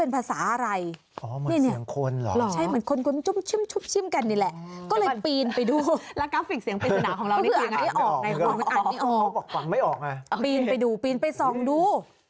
ปีนไปดูปีนไปทองดู